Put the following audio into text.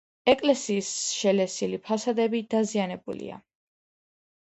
ეკლესიის შელესილი ფასადები დაზიანებულია.